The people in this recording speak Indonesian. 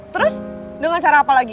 terus dengan cara apa lagi